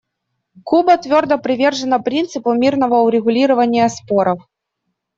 Куба твердо привержена принципу мирного урегулирования споров.